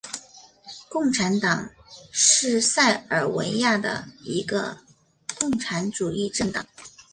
共产党是塞尔维亚的一个共产主义政党。